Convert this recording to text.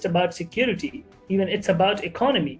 bukan sekuritas tapi ekonomi